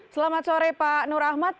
selamat sore pak nur ahmad